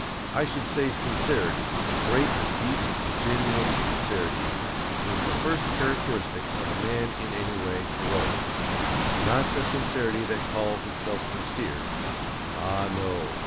I should say_ SINCERITY, a GREAT, DEEP, GENUINE SINCERITY, is the first CHARACTERISTIC of a man in any way HEROIC. Not the sincerity that CALLS _itself sincere. Ah no.